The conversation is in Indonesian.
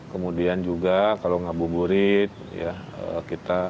kemudian juga kalau ngabuburit ya kita